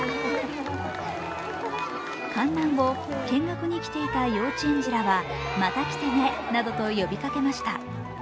観覧後、見学に来ていた幼稚園児らはまた来てねなどと呼びかけました。